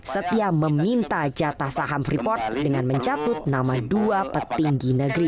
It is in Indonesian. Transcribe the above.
setia meminta jatah saham freeport dengan mencatut nama dua petinggi negeri